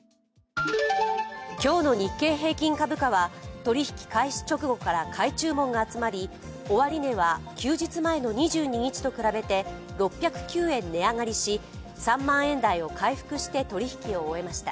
今日の日経平均株価は、取引開始直後から買い注文が集まり、終値は休日前の２２日に比べて６０９円値上がりし、３万円台を回復して取引を終えました。